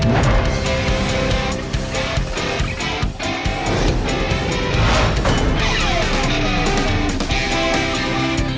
ก็แอมนึงสัมผัสแหวะสร้างความยอมแรงของผู้ที่ผู้ชม